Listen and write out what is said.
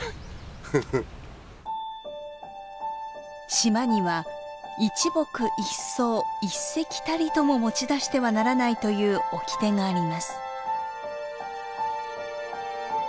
島には一木一草一石たりとも持ち出してはならないという掟があります。